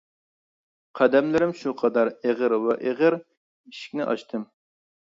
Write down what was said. قەدەملىرىم شۇ قەدەر ئېغىر ۋە ئېغىر. ئىشىكنى ئاچتىم.